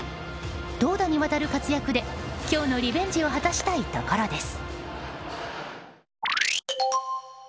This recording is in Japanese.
投打にわたる活躍で今日のリベンジを果たしたいところです。